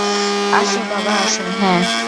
আসো, বাবা আসো - হ্যাঁঁ।